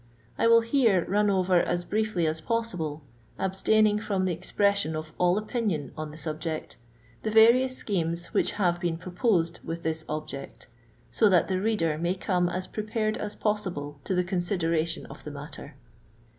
I will here run over as briefly as possible — abstaining from the expression of all opinion on the subject — the various schemes which have been proposed with this object, so that the reader may come as prepared as possible to the consideration of the matter.